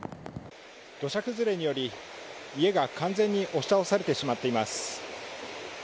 土砂崩れにより、家が完全に押し倒されてしまっています。